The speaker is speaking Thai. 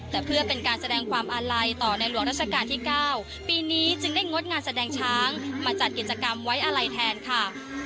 แต่เพื่อเป็นการแสดงความอาลัยต่อในหลวงราชการที่๙ปีนี้จึงได้งดงานแสดงช้างมาจัดกิจกรรมไว้อาลัยแทนค่ะ